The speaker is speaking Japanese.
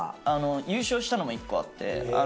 優勝したのも１個あって。